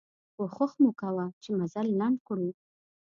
کوښښ مو کوه چې مزل لنډ کړو.